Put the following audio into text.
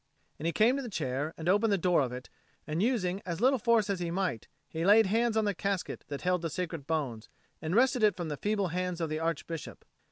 And he came to the chair and opened the door of it, and, using as little force as he might, he laid hands on the casket that held the sacred bones, and wrested it from the feeble hands of the Archbishop.